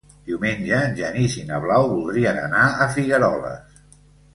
Diumenge en Genís i na Blau voldrien anar a Figueroles.